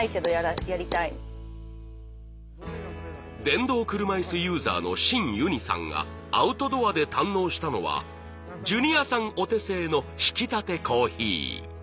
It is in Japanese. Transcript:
電動車いすユーザーの愼允翼さんがアウトドアで堪能したのはジュニアさんお手製のひきたてコーヒー。